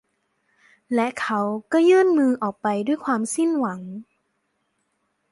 และเขาก็ยื่นมืออกไปด้วยความสิ้นหวัง